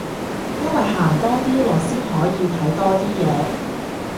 因為行多啲路先可以睇多啲嘢